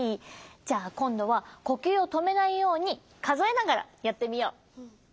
じゃあこんどはこきゅうをとめないようにかぞえながらやってみよう！